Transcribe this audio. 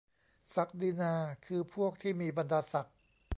ศักดินาคือพวกที่มีบรรดาศักดิ์ ?